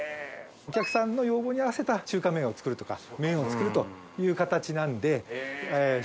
お客さんの要望に合わせた中華麺を作るとか麺を作るという形なんで。